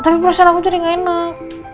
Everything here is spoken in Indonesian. tapi perasaan aku jadi gak enak